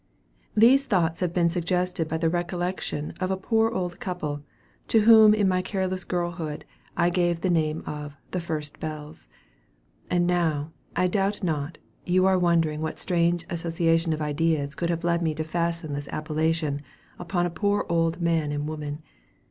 These thoughts have been suggested by the recollection of a poor old couple, to whom in my careless girlhood I gave the name of "the first bells." And now, I doubt not, you are wondering what strange association of ideas could have led me to fasten this appellation upon a poor old man and woman.